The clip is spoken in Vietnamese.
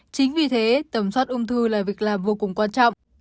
chính vì thế tầm soát ung thư là việc làm vô cùng quan trọng